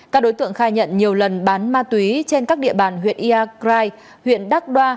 các đối tượng khai nhận nhiều lần bán ma túy trên các địa bàn huyện yagrai huyện đắc đoa